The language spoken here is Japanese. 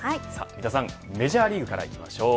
三田さん、メジャーリーグからいきましょう。